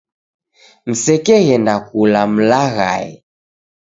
Msekeghenda kula mlaghae.